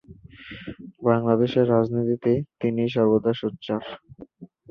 বাংলাদেশের রাজনীতিতে তিনি সর্বদাই সোচ্চার।